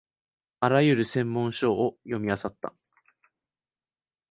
あらゆる専門書を読みあさった